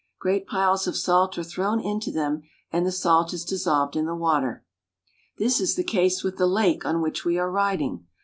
Great piles of salt are thrown into them, and the salt is dissolved in the water. This is the case with the lake on which we are riding.